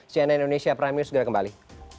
cnn indonesia prime news segera kembali